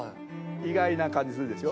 意外な感じするでしょ。